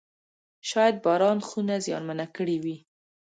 شاید باران خونه زیانمنه کړې وي.